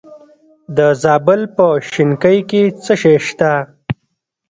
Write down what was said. د زابل په شنکۍ کې څه شی شته؟